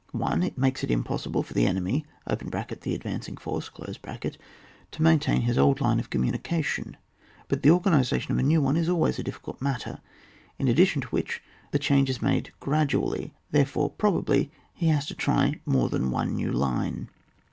1. It makes it impossible for the enemy (the advancing force) to maintain his old line of communication : but the organisation of a now one is always a difficult matter, in addition to which the change is made gradually, therefore, probably, he has to try more than one new line.